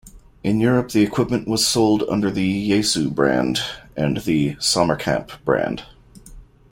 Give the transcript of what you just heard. In Europe the equipment was sold under the Yaesu brand and the Sommerkamp brand.